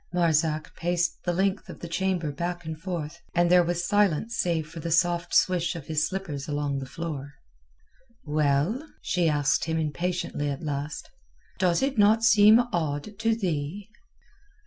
Marzak paced the length of the chamber back and forth, and there was silence save for the soft swish of his slippers along the floor. "Well?" she asked him impatiently at last. "Does it not seem odd to thee?"